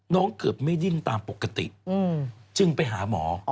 เกือบไม่ดิ้นตามปกติจึงไปหาหมอ